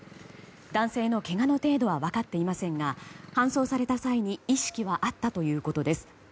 男性のけがの程度は分かっていませんが搬送された際に意識はあったということです。